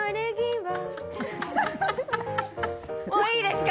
もういいですか？